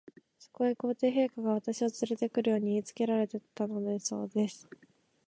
そこへ、皇帝陛下が、私をつれて来るよう言いつけられたのだそうです。